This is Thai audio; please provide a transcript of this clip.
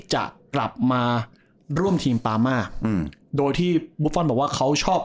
จะกลับมาร่วมทีมปามาอืมโดยที่บุฟฟอลบอกว่าเขาชอบ